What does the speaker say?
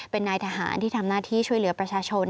เป็นนายทหารที่ทำหน้าที่ช่วยเหลือประชาชน